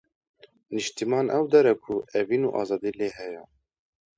Niştiman ew dever e ku, evîn û azadî lê heye.